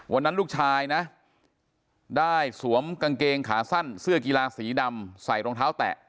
วันนั้นลูกชายนะได้สวมกางเกงขาสั้นเสื้อกีฬาสีดำใส่รองเท้าแตะ